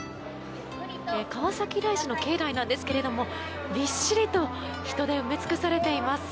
川崎大師の境内なんですがびっしりと人で埋め尽くされています。